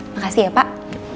makasih ya pak